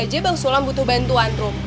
aja bang sulam butuh bantuan rum